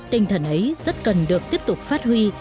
tinh thần ấy rất cần được tiếp tục phát huy